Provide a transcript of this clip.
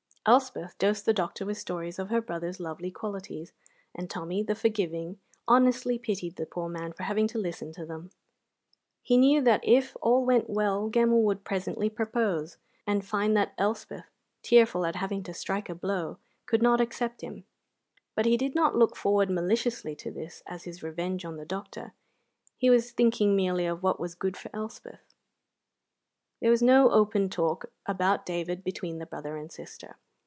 Elspeth dosed the doctor with stories of her brother's lovely qualities, and Tommy, the forgiving, honestly pitied the poor man for having to listen to them. He knew that if all went well Gemmell would presently propose, and find that Elspeth (tearful at having to strike a blow) could not accept him; but he did not look forward maliciously to this as his revenge on the doctor; he was thinking merely of what was good for Elspeth. There was no open talk about David between the brother and sister.